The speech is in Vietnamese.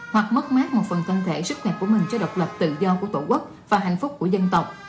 bất mát một phần thân thể sức mạnh của mình cho độc lập tự do của tổ quốc và hạnh phúc của dân tộc